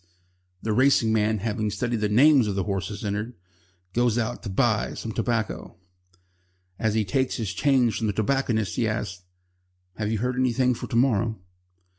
The racing man, having studied the names of the horses entered, goes out to buy some tobacco. As he takes his change from the tobacconist, he asks: "Have you heard anything for to morrow?"